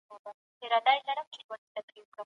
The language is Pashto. شاعران د ټولنې وجدان دي.